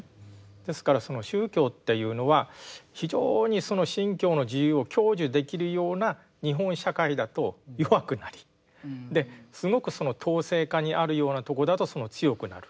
ですからその宗教というのは非常にその信教の自由を享受できるような日本社会だと弱くなりすごくその統制下にあるようなところだと強くなる。